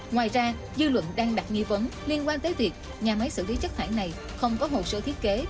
ngoài ra dư luận đang đặt nghi vấn liên quan tới việc nhà máy xử lý chất thải này không có hồ sơ thiết kế